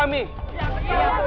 mengganggu acara kami